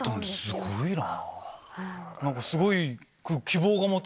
すごいな。